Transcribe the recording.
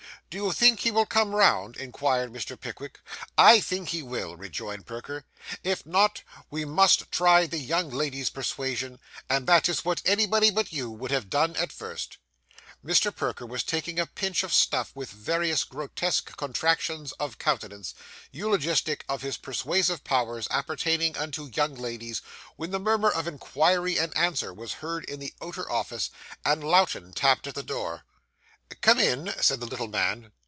'Do you think he will come round?' inquired Mr. Pickwick. 'I think he will,' rejoined Perker. 'If not, we must try the young lady's persuasion; and that is what anybody but you would have done at first.' Mr. Perker was taking a pinch of snuff with various grotesque contractions of countenance, eulogistic of the persuasive powers appertaining unto young ladies, when the murmur of inquiry and answer was heard in the outer office, and Lowten tapped at the door. 'Come in!' cried the little man.